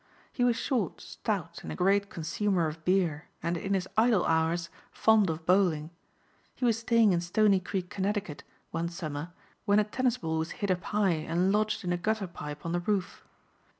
He was short, stout and a great consumer of beer and in his idle hours fond of bowling. He was staying in Stony Creek, Connecticut, one summer, when a tennis ball was hit up high and lodged in a gutter pipe on the roof.